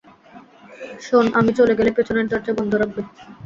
শোন, আমি চলে গেলে, পেছনের দরজা বন্ধ রাখবি।